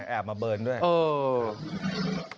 แอบมาเบิร์นด้วยเออ